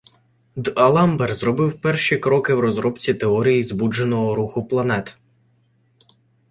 Д'Аламбер зробив перші кроки в розробці теорії збудженого руху планет.